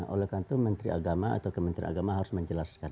oleh karena itu menteri agama atau kementerian agama harus menjelaskan